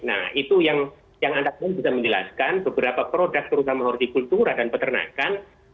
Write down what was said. nah itu yang anda bisa menjelaskan beberapa produk terutama hortikultura dan peternakan